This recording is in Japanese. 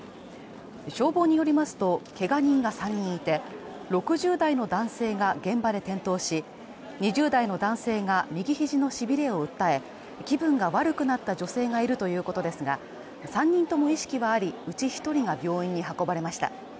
消防によりますとけが人が３人いて、６０代の男性が現場で転倒し２０代の男性が右肘のしびれを訴え気分が悪くなった女性がいるということですが、３人とも意識はありうち１人が病院に運ばれました。